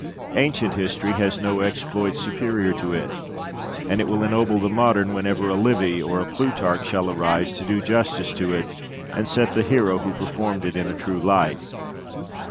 Ancient history has no exploit superior to it; and it will ennoble the modern whenever a Livy or a Plutarch shall arise to do justice to it, and set the hero who performed it in a true light.